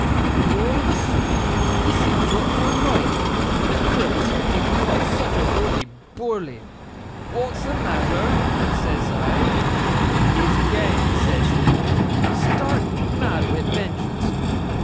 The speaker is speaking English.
Then all of a soodden, he sings oot for a loight, and when it cooms ecod, such a hoorly boorly! "Wa'at's the matter?" says I. "He's gane," says he, stark mad wi' vengeance.